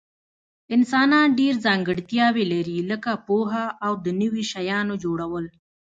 انسانان ډیر ځانګړتیاوي لري لکه پوهه او د نوي شیانو جوړول